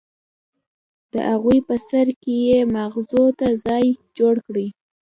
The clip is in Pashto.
د اغوئ په سر کې يې ماغزو ته ځای جوړ کړی.